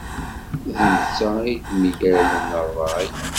D nettat i d myal n ṛṛay.